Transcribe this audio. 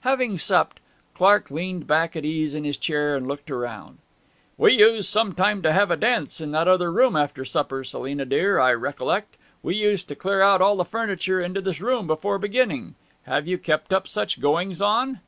Having supped, Clark leaned back at ease in his chair and looked around. 'We used sometimes to have a dance in that other room after supper, Selina dear, I recollect. We used to clear out all the furniture into this room before beginning. Have you kept up such goings on?'